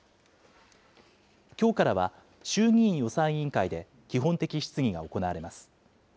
きょうからは衆議院予算委員会で、基本的質疑が行われます。